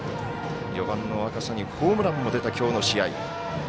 ４番の若狭にホームランも出た、きょうの試合。